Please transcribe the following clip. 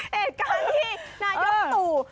เหตุการณ์ที่นายกตู่